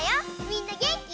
みんなげんき？